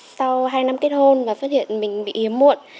sau hai năm kết hôn và phát hiện mình bị hiếm muộn